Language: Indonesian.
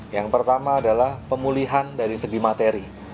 yang pertama adalah pemulihan dari segi materi